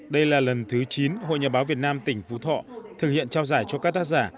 đây là lần thứ chín hội nhà báo việt nam tỉnh phú thọ thực hiện trao giải cho các tác giả